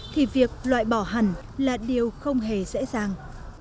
thì việc loại bỏ hẳn là điều không hề dễ dàng